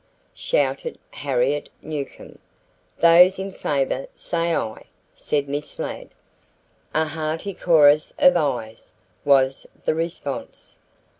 shouted Harriet Newcomb. "Those in favor say aye," said Miss Ladd. A hearty chorus of "ayes" was the response.